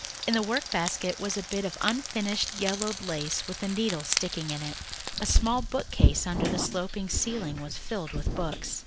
In the work basket was a bit of unfinished, yellowed lace with a needle sticking in it. A small bookcase under the sloping ceiling was filled with books.